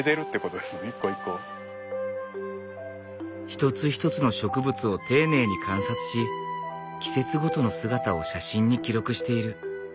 一つ一つの植物を丁寧に観察し季節ごとの姿を写真に記録している。